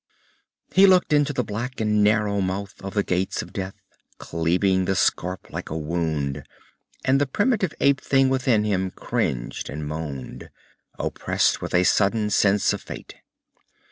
He looked into the black and narrow mouth of the Gates of Death, cleaving the scarp like a wound, and the primitive ape thing within him cringed and moaned, oppressed with a sudden sense of fate.